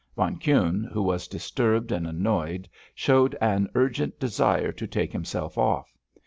Von Kuhne, who was disturbed and annoyed, showed an urgent desire to take himself off.